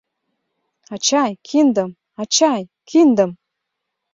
«Ачай, киндым, ачай, киндым!»